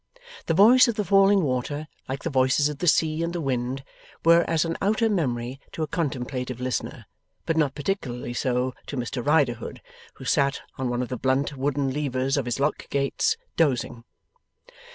The voice of the falling water, like the voices of the sea and the wind, were as an outer memory to a contemplative listener; but not particularly so to Mr Riderhood, who sat on one of the blunt wooden levers of his lock gates, dozing.